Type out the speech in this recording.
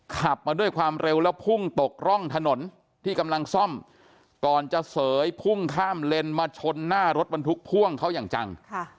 ขับมาด้วยความเร็วแล้วพุ่งตกร่องถนนที่กำลังซ่อมก่อนจะเสยพุ่งข้ามเลนมาชนหน้ารถบรรทุกพ่วงเขาอย่างจัง